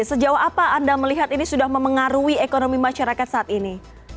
sejauh apa anda melihat ini sudah memengaruhi ekonomi masyarakat saat ini